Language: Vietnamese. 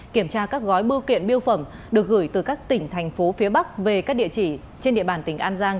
kiểm tra các gói bưu kiện biêu phẩm được gửi từ các tỉnh thành phố phía bắc về các địa chỉ trên địa bàn tỉnh an giang